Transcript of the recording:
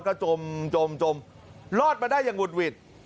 ก็จมรอดมาได้อย่างหุดหวิด